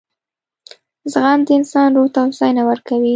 • زغم د انسان روح ته هوساینه ورکوي.